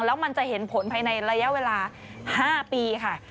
แล้วมันจะเห็นผลภายในระยะเวลา๕ปีค่ะ